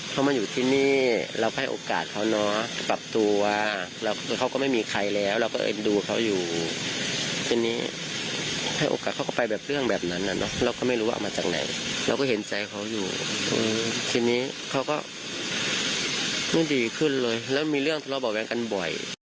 เขามาอยู่ที่นี่เราให้โอกาสเขาเนอะปรับตัวเขาก็ไม่มีใครแล้วเราก็เอ็นดูเขาอยู่ทีนี้ให้โอกาสเขาก็ไปแบบเรื่องแบบนั้นน่ะเนอะเราก็ไม่รู้ว่าเอามาจากไหนเราก็เห็นใจเขาอยู่ทีนี้เขาก็ไม่ดีขึ้นเลยแล้วมีเรื่องทะเลาะเบาะแว้งกันบ่อย